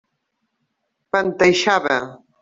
Panteixava.